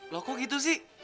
loh kok gitu sih